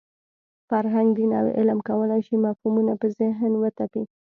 فرهنګ، دین او علم کولای شي مفهومونه په ذهن وتپي.